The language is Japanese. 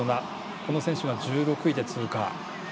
この選手が１６位で通過。